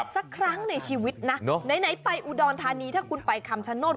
สักครั้งในชีวิตนะไหนไปอุดรธานีถ้าคุณไปคำชโนธ